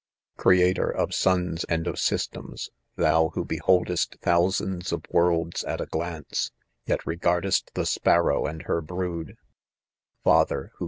e Creator of suns and of systems, thou who. be holdest thousands of worlds at a, glance, yet re gardest the sparrow and her brood, father who.